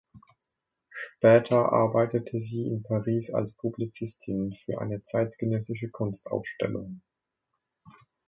Später arbeitete sie in Paris als Publizistin für eine zeitgenössische Kunstausstellung.